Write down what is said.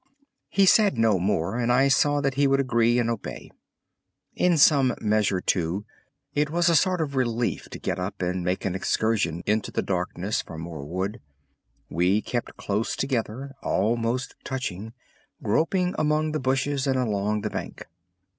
_" He said no more, and I saw that he would agree and obey. In some measure, too, it was a sort of relief to get up and make an excursion into the darkness for more wood. We kept close together, almost touching, groping among the bushes and along the bank.